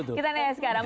kita nanya sekarang